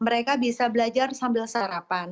mereka bisa belajar sambil sarapan